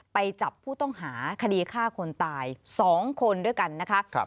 ไปจับผู้ต้องหาคดีฆ่าคนตาย๒คนด้วยกันนะคะ